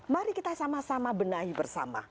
mari kita sama sama benahi bersama